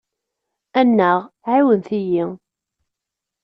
Annaɣ! ɛiwnet-iyi!